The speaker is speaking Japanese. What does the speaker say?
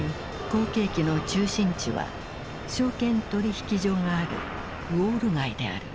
好景気の中心地は証券取引所があるウォール街である。